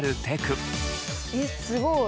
えっすごい。